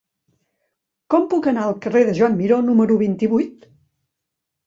Com puc anar al carrer de Joan Miró número vint-i-vuit?